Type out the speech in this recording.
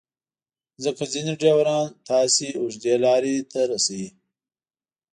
ځکه ځینې ډریوران تاسو اوږدې لارې رسوي.